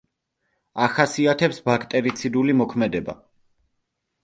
ახასიათებს ბაქტერიციდული მოქმედება.